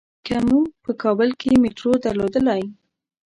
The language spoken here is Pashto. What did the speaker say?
که مونږ په کابل کې میټرو درلودلای.